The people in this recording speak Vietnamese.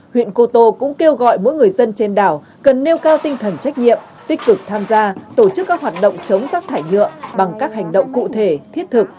huyện cô tô cũng kêu gọi mỗi người dân trên đảo cần nêu cao tinh thần trách nhiệm tích cực tham gia tổ chức các hoạt động chống rác thải nhựa bằng các hành động cụ thể thiết thực